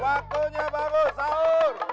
waktunya bangun saur